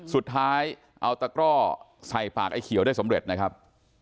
สุดท้ายเอาตะกร่อใส่ปากไอ้เขียวได้สำเร็จนะครับ